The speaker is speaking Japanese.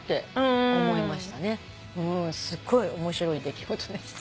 すごい面白い出来事でした。